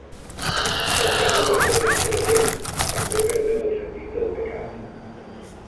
Quan perdem la presència de Déu, també perdem el sentit del pecat.